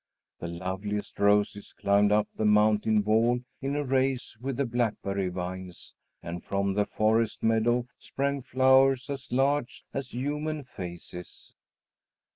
The loveliest roses climbed up the mountain wall in a race with the blackberry vines, and from the forest meadow sprang flowers as large as human faces.